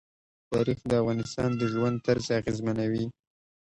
تاریخ د افغانانو د ژوند طرز اغېزمنوي.